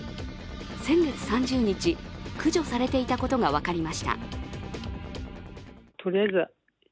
先月３０日、駆除されていたことが分かりました。